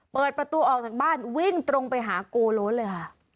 เปิดประตูออกจากบ้านวิ่งตรงไปหาโกโล้นเลยค่ะ